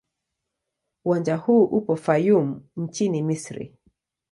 Uwanja huu upo Fayoum nchini Misri.